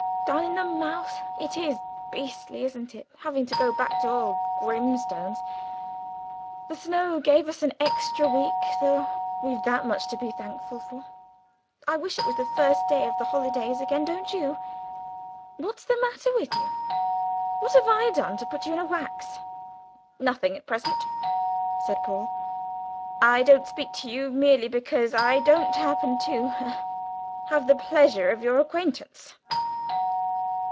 "Down in the mouth? It is beastly, isn't it, having to go back to old Grimstone's! The snow gave us an extra week, though we've that much to be thankful for. I wish it was the first day of the holidays again, don't you? What's the matter with you? What have I done to put you in a wax?" "Nothing at present," said Paul. "I don't speak to you merely because I don't happen to have the ah pleasure of your acquaintance."